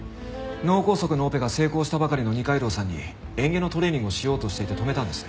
脳梗塞のオペが成功したばかりの二階堂さんに嚥下のトレーニングをしようとしていて止めたんです。